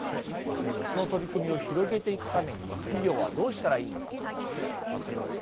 その取り組みを広げていくために企業はどうしたらいいのか考えます。